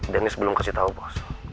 dennis belum kasih tahu bos